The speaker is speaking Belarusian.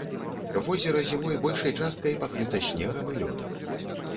Возера зімой большай часткай пакрыта снегам і лёдам.